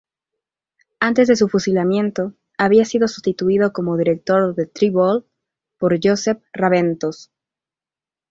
Antes de su fusilamiento, había sido sustituido como director de "Treball" por Josep Raventós.